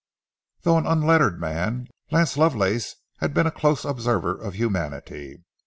Though an unlettered man, Lance Lovelace had been a close observer of humanity.